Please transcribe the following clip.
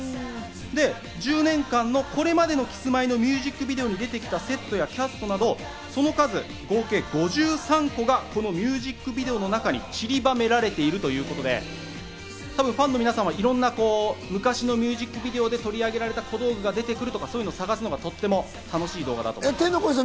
で、１０年間のこれまでのキスマイのミュージックビデオに出てきたセットやキャストなど合計５３個がこのミュージックビデオにちりばめられているということで、ファンの皆さんは、昔のミュージックビデオで取り上げられた小道具が出てくるとかそういうのを探すのがとても楽しい動画だと思います。